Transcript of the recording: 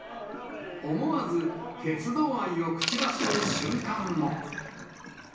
思わず、鉄道愛を口走る瞬間も。